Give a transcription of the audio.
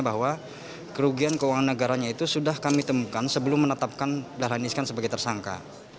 bahwa kerugian keuangan negaranya itu sudah kami temukan sebelum menetapkan dahlan iskan sebagai tersangka